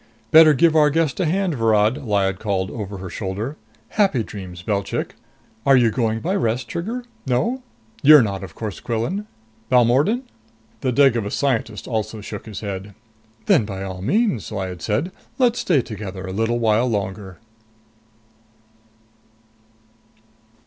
"Better give our guest a hand, Virod," Lyad called over her shoulder. "Happy dreams, Belchik! Are you going by Rest, Trigger? No? You're not, of course, Quillan. Balmordan?" The Devagas scientist also shook his head. "Then by all means," Lyad said, "let's stay together a little while longer."